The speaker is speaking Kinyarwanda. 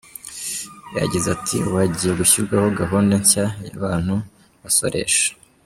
Yagize ati “Ubu hagiye gushyirwaho gahunda nshya y’abantu basoresha.